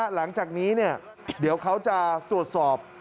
หลังจากนี้เดี๋ยวเขาจะตรวจสอบ